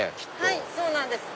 はいそうなんです。